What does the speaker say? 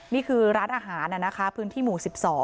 นี่คือร้านอาหารนะคะพื้นที่หมู่๑๒